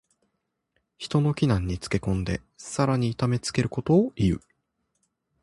人の危難につけ込んでさらに痛めつけることをいう。